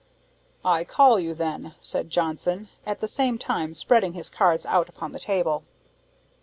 "I call you, then," said Johnson, at the same time spreading his cards out upon the table.